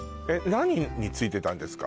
何についてたんですか？